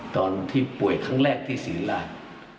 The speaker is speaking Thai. ตอนที่ป่วยครั้งแรกที่ศรีราช